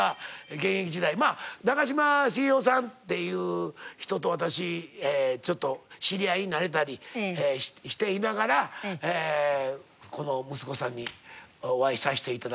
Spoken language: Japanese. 長嶋茂雄さんっていう人と私ちょっと知り合いになれたりしていながらこの息子さんにお会いさせて頂いたっていう。